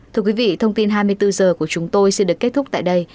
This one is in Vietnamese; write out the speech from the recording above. thưa quý vị thông tin hai mươi bốn h của chúng tôi xin được kết thúc tại đây